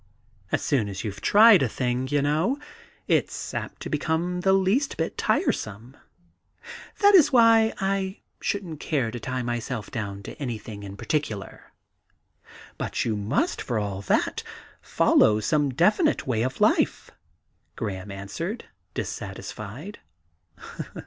As soon as you've tried a thing, you know, it's apt to become the least bit tiresome. That is why I shouldn't care to tie myself down to an3rthing in particular.' 'But you must, for all that, follow some definite way of life,' Graham answered, dissatisfied.